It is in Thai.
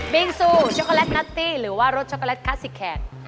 ิงซูช็อกโกแลตนัตตี้หรือว่ารสช็อกโลตคลาสสิกแขก